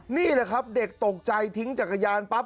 นี่แหละครับเด็กตกใจทิ้งจักรยานปั๊บ